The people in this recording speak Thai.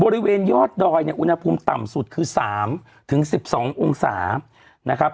บริเวณยอดดอยเนี่ยอุณหภูมิต่ำสุดคือ๓๑๒องศานะครับ